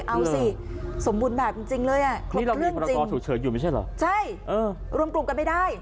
เอาสิสมบูรณ์แบบจริงเลยมาเป็นเจนดูว่ากลุ่งกันไม่ได้